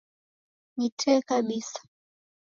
Ni tee kabisa.